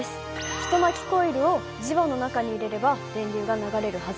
一巻きコイルを磁場の中に入れれば電流が流れるはず。